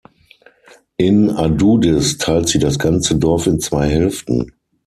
In Adudis teilt sie das ganze Dorf in zwei Hälften.